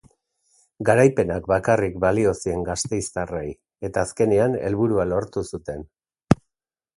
Garaipenak bakarrik balio zien gasteiztarrei eta azkenean helburua lortu zuten.